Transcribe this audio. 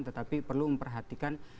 tetapi perlu memperhatikan